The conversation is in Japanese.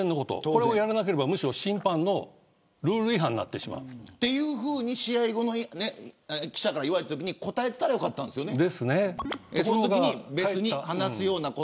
これをやらなければ審判のルール違反になってしまう。というように試合後、記者から言われたときに答えられたらよかったんですよね。